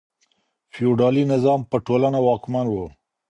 فیوډالي نظام په ټولنه واکمن و.